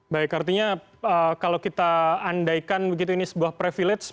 baik artinya kalau kita andaikan begitu ini sebuah privilege